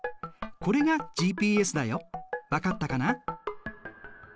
これがＧＰＳだよ分かったかな？